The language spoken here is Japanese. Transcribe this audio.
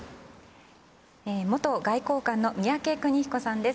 元外交官の宮家邦彦さんです。